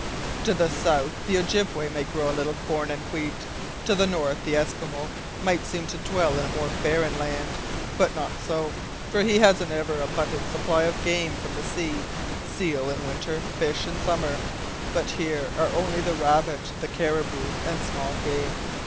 "To the south the Ojibway may grow a little corn and wheat. To the north the Eskimo might seem to dwell in a more barren land, but not so, for he has an ever abundant supply of game from the sea, seal in winter, fish in summer, but here are only the rabbit, the caribou, and small game.